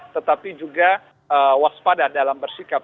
tetapi juga waspada dalam bersikap